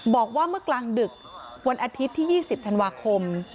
บอกว่าเมื่อกลางดึกวันอาทิตย์ที่๒๐ธันวาคม